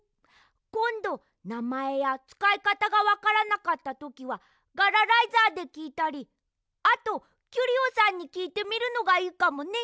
こんどなまえやつかいかたがわからなかったときはガラライザーできいたりあとキュリオさんにきいてみるのがいいかもね。